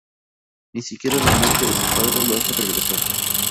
Ni siquiera la muerte de su padre lo hace regresar.